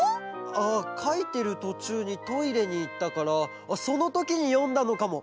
ああかいてるとちゅうにトイレにいったからそのときによんだのかも。